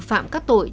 phạm các tội